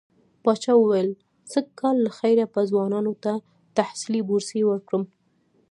پاچا وويل سږ کال له خيره به ځوانانو ته تحصيلي بورسيې ورکړم.